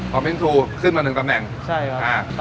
มิ้นทรูขึ้นมาหนึ่งตำแหน่งใช่ครับอ่า